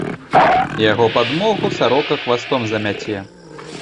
Яго падмогу сарока хвастом замяце.